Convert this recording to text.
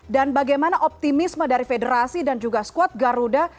dan bagaimana optimisme dari federasi dan juga squad garuda